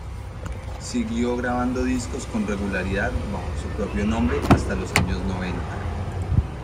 Siguió grabando discos con regularidad bajo su propio nombre hasta los años noventa.